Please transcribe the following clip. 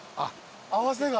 合わせが？